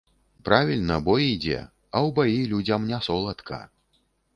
Правільна, бой ідзе, а ў баі людзям не соладка.